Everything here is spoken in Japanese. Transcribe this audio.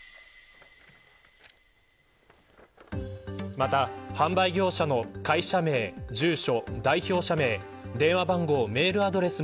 また、販売業者の会社名、住所、代表者名電話番号、メールアドレス